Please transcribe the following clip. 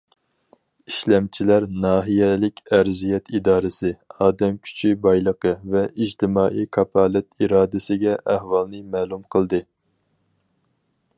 ئىشلەمچىلەر ناھىيەلىك ئەرزىيەت ئىدارىسى، ئادەم كۈچى بايلىقى ۋە ئىجتىمائىي كاپالەت ئىدارىسىگە ئەھۋالنى مەلۇم قىلدى.